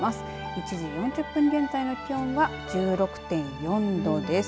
１時４０分現在の気温は１６．４度です。